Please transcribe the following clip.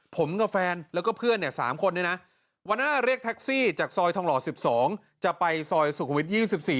ผมกับแฟนแล้วก็เพื่อน๓คนเนี่ยนะวันนั้นเรียกแท็กซี่จากซอยทองหล่อ๑๒จะไปซอยสุขวิท๒๔